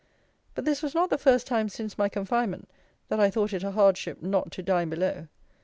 But this was not the first time since my confinement that I thought it a hardship not to dine below.